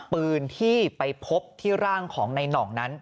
ปืนที่ไปพบที่ร่างของในหน่องนั้น